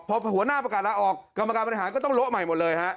พอหัวหน้าประกาศลาออกกรรมการบริหารก็ต้องโละใหม่หมดเลยฮะ